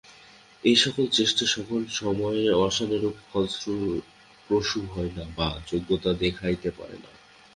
এই-সকল চেষ্টা সকল সময়ে আশানুরূপ ফলপ্রসূ হয় না, বা যোগ্যতা দেখাইতে পারে না।